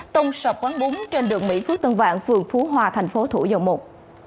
tông sập quán bún trên đường mỹ phước tân vạn phường phú hòa thành phố thủ dầu một